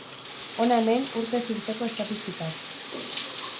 Hona hemen urtez urteko estatistikak.